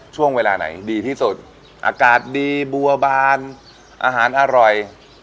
ช่วงเวลาไหนดีที่สุดอากาศดีบัวบานอาหารอร่อย